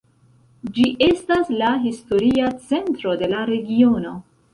Ĝi estas la historia centro de la regiono.